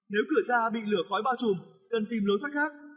nếu cửa ra bị lửa khói bao trùm cần tìm lối thoát khác